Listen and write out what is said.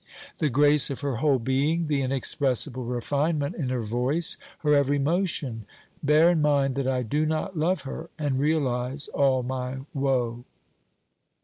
The grace of her whole being, the inexpressible refinement in her voice, her every motion. ... Bear in mind that I do not love her, and realise all mv woe.